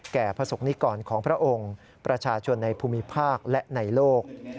พระศกนิกรของพระองค์ประชาชนในภูมิภาคและในโลก